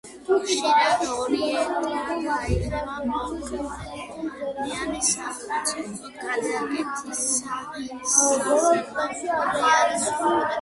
ხშირად ორიენტირად აიღება მოკლევადიანი საპროცენტო განაკვეთი, სარეზერვო ფული ან სხვა მონეტარული აგრეგატები.